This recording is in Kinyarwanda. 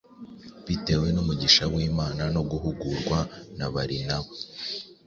Bitewe n’umugisha w’Imana no guhugurwa na Barinaba